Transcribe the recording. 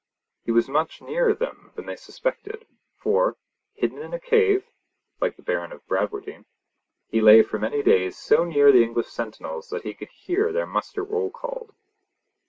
He was much nearer them than they suspected; for, hidden in a cave (like the Baron of Bradwardine), he lay for many days so near the English sentinels that he could hear their muster roll called.